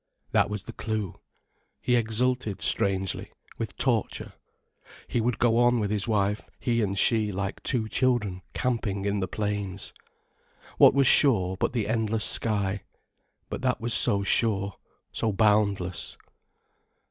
That was the clue. He exulted strangely, with torture. He would go on with his wife, he and she like two children camping in the plains. What was sure but the endless sky? But that was so sure, so boundless.